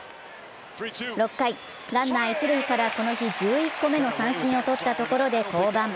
６回、ランナー一塁からこの日１１個目の三振をとったところで降板。